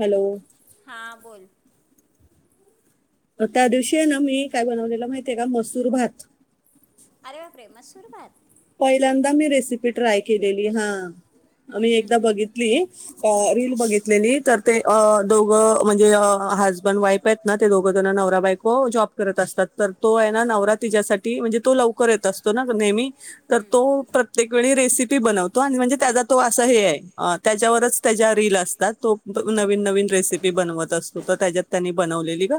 Hello हा बोल त्या दिवशी हे ना, मी काय बनवलेला माहिती आहे का? मसूर भात. आरे बाप रे मसूर भात? पहिल्यांदा मी रेसिपी ट्राय केलेली हा. हम्म, मी एकदा हम्म, बघितली, रील बघितलेली तर अ दोघं म्हणजे हाजबंड वाईफ आहेत ना ते दोघंजण नवरा बायको जॉब करत असतात. तर तो आहे ना नवरा तीच्यासाठी, म्हणजे तो लवकर येत असतो ना नेहमी तर तो प्रत्येक वेळी रेसिपी बनवतो आणि म्हणजे त्येजा तो आसा हे हाय अ हम्म, त्याच्यावरच तेज्या रिल असतात तो ब नवीन, नवीन रेसिपी बनवत असतो तं तेज्यात त्यांनी बनवलेली गं.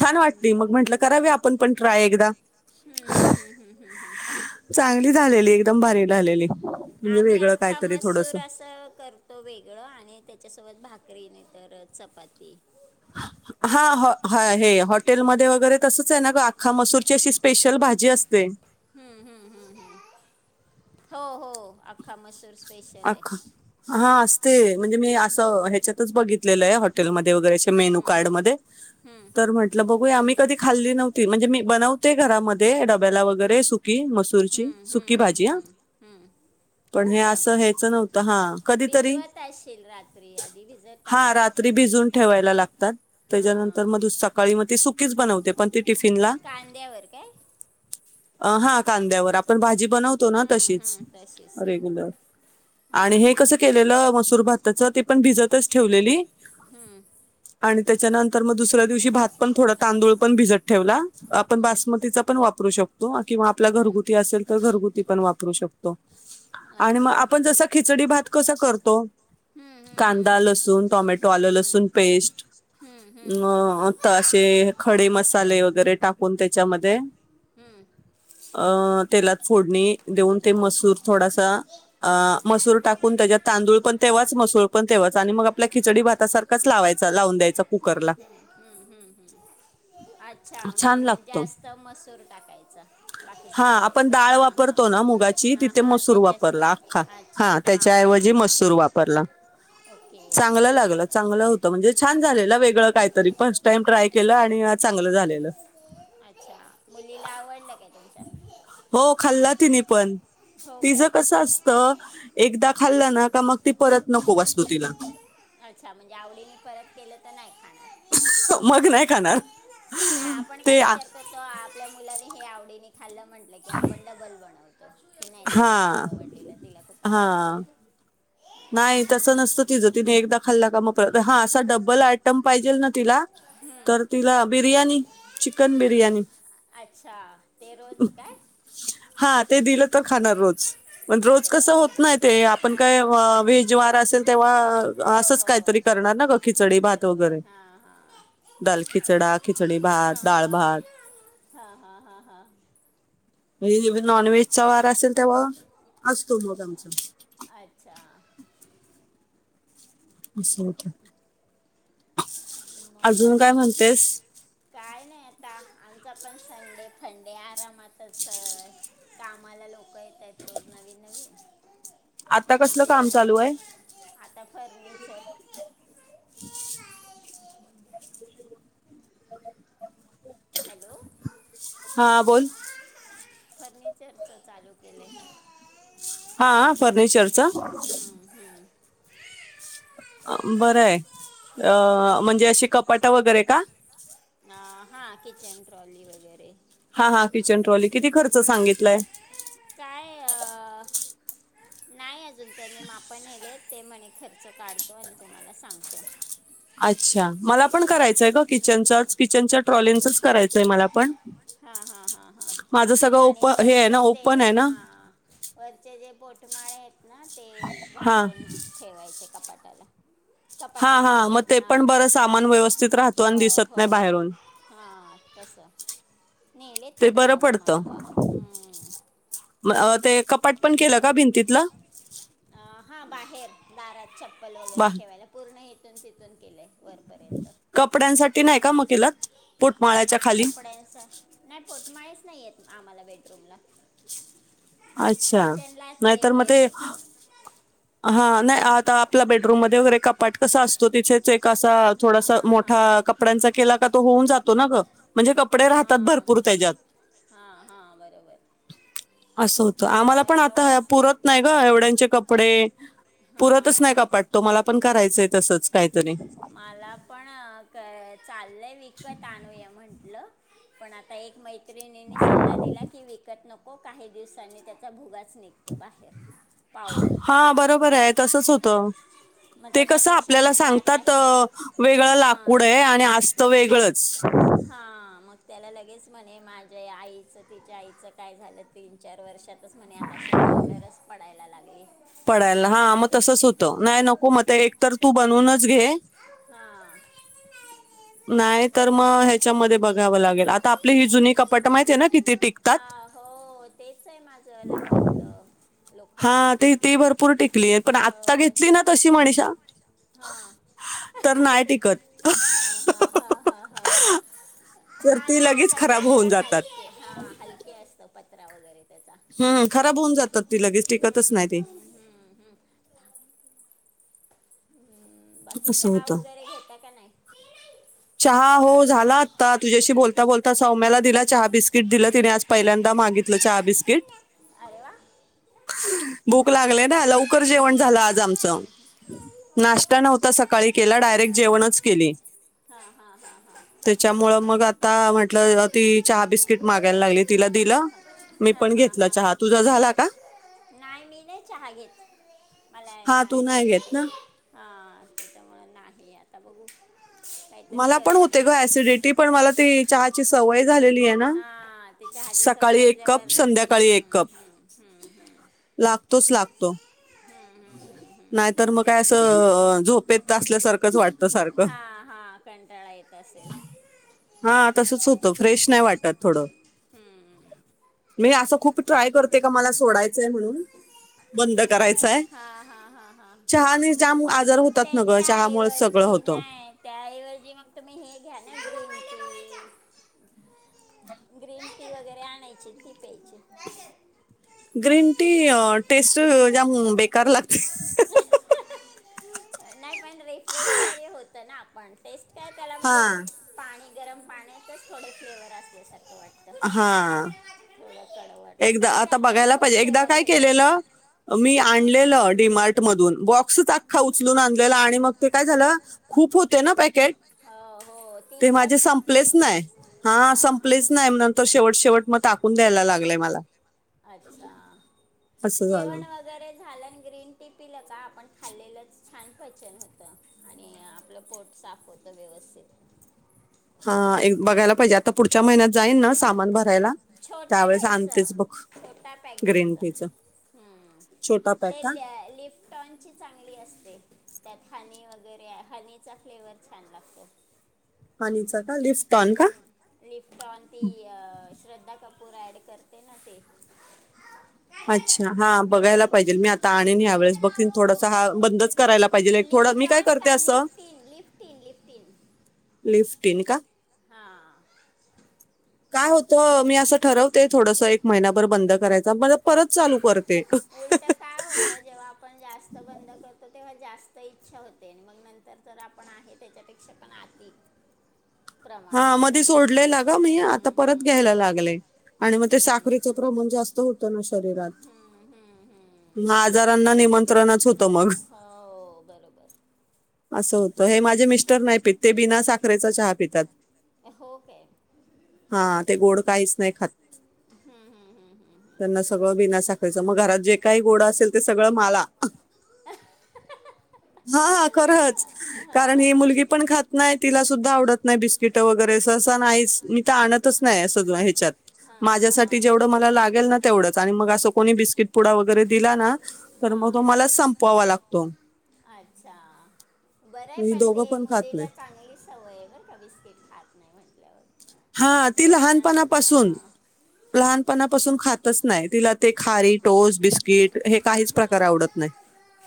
छान वाटली मगं म्हंटलं करावी आपण पण ट्राय एकदा. हम्म, हम्म, हम्म, हम्म हम्म चांगली झालेली एकदम भारी लालेली. आम्ही आख्खा मसूर असं कर तो वेगळ आणि त्याच्यासोबत भाकरी नाही तर चपाती [inaudible] हा हॉ हे हॉटेलमध्ये वगैरे तसंच आहे ना गं आख्खा मसूरची अशी स्पेशल भाजी असते. हम्म, हम्म, हम्म, हम्म हो हो आख्खा मसूर स्पेशल हाय अख्खा हा असते म्हणजे मी हम्म, असं ह्याच्यातच बघितलेलंय हॉटेलमध्ये वगैरे असे हम्म, मेनू कार्ड हम्म, मध्ये हम्म, तर म्हटलं बघूया आम्ही कधी खाल्ली नव्हती, म्हणजे मी बनवते घरामध्ये डब्याला वगैरे सु की मसूरची हम्म, हम्म, सुकी हम्म, भाजी हां. हम्म, हम्म. पण हो हे काय असं हेच नव्हतं हां कधीतरी, भिजवत असशील रात्री आधी भिजत हा टाकत असशील रात्री भिजवून ठेवायला लागतात. त्याच्यानंतर हां मग दु सकाळी मग ती सुकीच बनवते पण ती टिफिनला कांद्यावर काय? अ हा कांद्यावर आपण भाजी बनवतो ना हम्म, तशीच. हम्म, तशीच सेम रेग्युलर आणि हे कसं हम्म केलेलं मसूर भाताच ते पण भिजतच ठेवलेली हम्म. आणि त्याच्यानंतर मग दुसऱ्या दिवशी भात पण थोडा तांदूळ पण भिजत ठेवला. आपण बासमतीचा पण वापरू शकतो किंवा आपला घरगुती आसेल तर घरगुती पण वापरू शकतो. आणि म अच्छा आपण जस खिचडी भात कसा करतो? कांदा, लसूण, टोमॅटो, आलं लसूण पेस्ट हम्म. म अ त असे खडे मसाले वगैरे टाकून त्याच्यामध्ये अ तेलात फोडणी देऊन ते मसूर थोडासा अ मसूर टाकून त्येज्यात तांदूळ पण तेव्हाच मसूर पण तेव्हाच आणि मग आपल्या खिचडी भातासारख कच लावायचा लावून द्यायचा कुकरला. हम्म, हम्म, हम्म आच्छा छान म्हणजे लागतो जास्त मसूर टाकायचा बाकी सगळं हे करून हां हां. मूगाची हां तिथे हां मसूर त्याच्याशी वापरला आख्खा अच्छा हा हां त्याच्या हां ऐवजी हां मसूर वापरला. ओके. ला लागला चांगला होता म्हणजे छान झालेला वेगळं काहीतरी फस्ट टाईम ट्राय केलं आणि चांगलं झालेल. आच्छा मुलीला आवडलं काय? तुमच्या हो खाल्ला तिने पण हो तिझ काय कस असं त एकदा खाल्लं ना का मग ती परत नको वासतो तिला. अच्छा म्हणजे आवडीने परत केलं तर नाही खाणार. ये मग ये नाही खाणार नाआपण काय ते आ- विचार [inaudible] तर तो आपल्या मुलानी हे आवडीने खाल्लं म्हटलं की आपण डबल बनवतो. की नाही हा त्याला खूप आवडलेलं तिला खूप हा आवडलेलं. नाही तसं नसतं तिचं तिने एकदा खाल्ला हा असा डबल आयटम पाहिजेल ना तिला, तर हं. तिला बिर्याणी चिकन बिर्याणी. अच्छा ते रोज काय- हा ते दिलं तर खाणार रोज, पण रोज अरे वा कस होत नाही ते आपण हां हां कसं व्हेज वार असेल तेव्हा हो असंच हो काहीतरी करणार ना ग खिचडी भात वगैरे हा हा हा दाल खिचडा, खिचडी भात, डाळ भात, हा हा हा हा मग एरव्ही नॉन व्हेजचा वारा असेल तेव्हा असतो मग रोज आमचा. अच्छा! असतं. मग अजून- काय नाही आता आमचा पण संडे फंडे आरामातच कामाला लोकं येत आहेत रोज नवीन नवीन, आता अ, कसलं काम जेवण चालू आहे. आता फर्निचर दे. हॅलो! हा बोल फर्निचरचं चालू केलय. हा फर्निचरच! हम्म हम्म बरं आहे. अ म्हणजे, अशी कपाट वगैरे का? हां किचन ट्रॉली वगैरे हा हा किचन ट्रॉली किती खर्च सांगितलाय. काय अ.. नाही अजून त्यांनी माप नेले ते म्हणे खर्च काढतो आणि तुम्हाला सांगतो. अच्छा मला पण करायचंय तपासणी ग करत किचनच्या आहे किचनच्या ट्रॉलींचच करायचंय मला पण. हा हा हा हा माझं सगळं ओप आणि हे आहे ना वरचे ते, ते ओपन आहे ना हा वरचे जे पोठमाळे आहेत ना ते हा झाकून ठेवायचे कपाटाला. हा कपाट्यासारखे मग ते हा पण बरं तस सामान व्यवस्थित राहतो हो आणि दिसत हो. नाही बाहेरून हा तस नेले ते त्यांनी बरं आज पडतं माप हम्म. ते कपाट पण केलं का भिंतीतल. आ हा बाहेर दारात चप्पल वा वगैरे ठेवायला. पूर्ण हिथून तिथून केलं आहे वरपर्यंत. कपड्यांसाठी नाही का मग केलात पोटमाळ्याच्या खाली. त्याश आहे. नाही पोट माळच नाहीत हेत आम्हाला बेडरूमला. अच्छा किचनलाच नाहीतर एक मग आहे ते. फक्त हा नाही आता आपल्या बेडरूम मध्ये वगैरे कपाट कस असतो तिथे. एकअसा हां थोडासा हां मोठा हां हां कपड्यांचा केला का तो होऊन जातो ना ग. म्हणजे कपडे राहतात भरपूर त्याच्यात. हा हा बरोबर. असं होतं आम्हाला पण आता करावंच पुरत नाही ग एवढ्यांचे कपडे पुरतच नाही हां कपाट. तो मला पण करायचंय हे तसंच काहीतरी. मला पण काय चाललय विकत आणुया म्हंटलं. पण आता एक मै. मैत्रिणींनी सल्ला दिला की विकत नको काही दिवसांनी त्याचा भुगाच निघ. हा बरोबर आहे तसच होतं. मग ते कसं त्याच्यापेक्षा आपल्याला म्हणते आता सांगतात हे म वेगळं लाकूड हां आहे आणि असत वेगळंच. हा मग त्याला लगेच म्हणे माझ्या आईचं तिच्या आईचं काय झालं तीन चार वर्षांत. तेच म्हणे आता अशी पावडरच पडायला लागली. पडायला हा मग तसच होत नाही नको मग एक तर तू बनवूनच घे. हा आले म्हणालेत. नाही तर मग ह्याच्यामध्ये बघावं लागेल आता आपली ही जुनी कपाट माहती आहे ना किती टिक. हा हो तेच आहे माझं लग्नातलं. हा लोखंडी ते ती भरपूर टिकली पण हो आत्ता घेतली ना तशी मनिषा. हा अहा अहा हा हा हा हा हा हा. तर हा ती नाही लगेच आताचे खराब वर होऊन जातात हक हा हलके असत पत्र वगैरे. त्याचा हम्म खराब होऊन जातात ती लगेच हम्मम् टिकतच नाही हम्म ती हम्म हम्म. ह् बाकी असं चहा होतं वगैरे घेता का नाही. चहा हो झाला आता तुझ्याशी बोलता बोलता सौम्याला दिला चहा बिस्किट दिलं तिने आज. पहिल्यांदा मागितलं चहा बिस्किट. अरे वा. ग भूक लागली ना लवकर जेवण झालं आज हम्म, आमचं. हम्म. नाश्ता नव्हता सकाळी केला डायरेक्ट जेवणच केले. हा हा हा. हा त्याच्यामुळे मग आता. आता म्हंटलं ती चहा बिस्किट मागायला लागली. तिला दिलं मी हा पण हा घेतला हा चहा तुझा झाला का. नाही मी नाही चहा घेत मला हा तू नाही घेत ऍसिडिटी. ना हा त्यांच्यामुळे नाही आता बघू. काहीतरी मला पण करू होते आम्ही ग ऍसिडिटी पण मला ती चहाची सवय झालेली आहे ना. हा त्या चहाची सवय सकाळी एक असल्यामुळे कप संध्याकाळी हम्म एक कप हम्म हम्म हम्म. लागतोच लागतो. हम्म, हम्म, हम्म, हम्म. नाहीतर मग काय असं झोपेत असल्यासारखंच वाटतं सारखं. हा हा कंटाळा येत असेल. हा तसच होतं फ्रेश नाही वाटत थोडं. हम्म. मी असं खूप- ट्राय करते का मला सोडायचंय म्हणून, बंद करायचंय. हा हा हा हा चहाने जाम आजार होतात न गं, चहामुळे सगळं त्याच्याऐवजी होतं. नाही त्याऐवजी मग तुम्ही हे घ्या ना ग्रीन टी- [inaudible] ग्रीन टी वगैरे आणायची, ती प्यायची. ग्रीन टी टेस्ट जाम बेकार लागते ह ह ह ह, नाही पण रिफ्रेश तरी होतं ना आपण. टेस्ट काय त्याला हा म्हणजे पाणी गरम पाण्यातच थोडं फ्लेवर असल्यासारखं वाटतं. हा थोडा कडवट. असं एकदा पण आता त्यात पण बघायला खूप पाहिजे. एकदा फ्लेवर काय भेटतात केलेलं, मी हां आणलेलं- डी मार्ट मधून. बॉक्सच अख्खा उचलून आणलेला आणि मग ते काय झालं खूप होते पॅक- केट, हो हो ते तीस माझे असतात ते संपलेच नाही. हा हां हां संपलेच नाही ना- तर शेवट शेवट मग टाकून द्यायला लागलंय मला. अच्छा. असं झालं जेवण वगैरे- झालं आणि ग्रीन टी पिलं का आपण खाल्लेलं छान पचन होतं आणि आपलं पोट साफ होत. व्यवस्थित हा एक बघायला पाहिजे, आता पुढच्या महिन्यात जाईन ना सामान भरायला- छोट त्यावेळेस घ्यायचं. आणतेच बघ छोटा पॅक ग्रीन घ्यायचं. टीचं हम्म. छोटा पॅक ते का ल्या लिफ- टनची चांगली असते, त्यात हनी वगैरे हनीचा फ्लेवर छान लागतो. हनीचा का? लिफ- हम्म लिफ्टन ती श्रद्धा कपूर ॲड करते ना ते. अच्छा हा बघायला पाहिजे, मी आता आणेन ह्यावेळेस, बघतीन थोडसा हा बंदच करायला पाहिजेल एक- थोडं, मी काय करते असं- ती लिफ्टीन लिफ्टीन. लिफ्टीन का? हा. काय होत मी असं ठरवते थोडस एक महिनाभर बंद करायचा पण मग- परत चालू करते. उलट काय होतं जेव्हा आपण जास्त बंद करतो तेव्हा जास्त इ- ईच्छा होते आणि मग नंतर तर आपण आहे त्याच्यापेक्षा पण अती- हा मध्ये सोडलेला ग हम्म, मी आता हम्म, परत हम्म, घ्यायला लागले. आणि मग ते साखरचं प्रमाण जास्त होत- शरीरात. हम्म, हम्म, हम्म, हम्म. मग आजारांना निमंत्रणच होत- हो बरोबर. असं होतं. हे माझे मिस्टर नाही पित, ते बिना साखरेचा चहा पितात. हो काय. हा ते गोड काहीच नाही खात. हम् हम् हम्. त्यांना सगळं बिना साखरेचं. मग घरात जे काही गोडं असेल ते सगळं माला. हा हा खरंच, हा, कारण हा, ही हा. मुलगी पण खात नाही. तिला सुद्धा आवडत नाही बिस्किट वगैरे सहसा नाहीच, मी तर आणतच नाही असं- आपला ह्याच्यात हा, हा, हा, माझ्यासाठी हा. जेवढं मला लागेल ना तेवढंच आणि मग अस कोणी बिस्किट पुडा वगैरे दिला ना तर हा. मग मला संपवावा लागतो अच्छा बरं हाय ही पण दोघं ते खात नाही. मुलीला चांगली सवय हाय बर का बिस्किट खात नाही म्हटल्यावर हा नाही तर ती पोरांना लहानपणापासून हां लहानपणापासून खातच नाही तिला ते खारी टोस्ट बिस्किट हे काहीच हा प्रकार आवडत हा नाही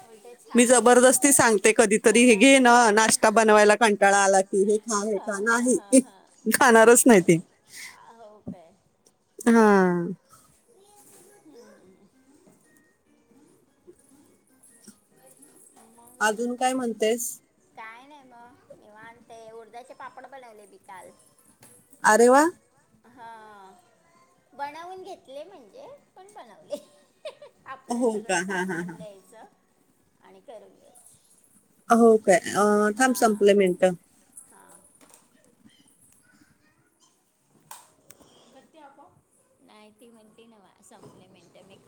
उलटे मी छान आहे जबरदस्ती सांगते कधीतरी हे घे पोरांचं ना जाऊ दे नाश्ता बनवायला हा कंटाळा आला कि हे खा हे खा हा हा नाही हा खाणारच नाही ती आ हो काय हा [unintelligible] मग अजून काय म्हणतेस काय नाही म निवांत आहे ते उडदाचे पापड बनवले बी कालच अरे वा हा बनवून घेतले म्हणजे पण बनवले आपलं हो का सगळं हा हा सामान हा द्यायचं आणि करून घ्यायच हो काय अ थांब संपले मिनटं हा करती आपोआप नाही ती म्हटली नवं संपली मिनट मी करते